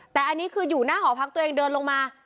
แต่อันนี้คืออยู่หน้าหอพักตัวเองเดินลงมา